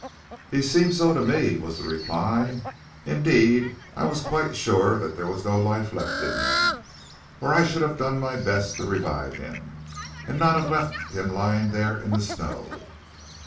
"He seemed so to me!" was the reply. "Indeed, I was quite sure that there was no life left in him, or I should have done my best to revive him, and not have left him lying there in the snow."